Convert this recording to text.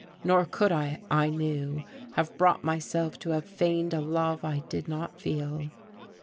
Nor could I, I knew, have brought myself to have feigned a love I did not feel.